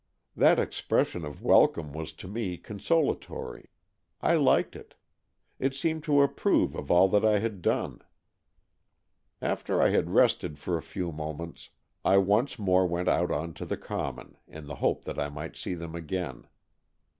That expression of welcome was to me consola tory. I liked it. It seemed to approve of all that I had done. After I had rested for a few moments, I once more went out on to the common, in the hope that I might see them again.